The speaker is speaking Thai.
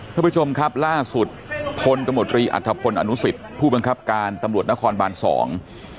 ท่านผู้ชมครับล่าสุดพลตมตรีอัฐพลอนุสิตผู้บังคับการตำรวจนครบานสอง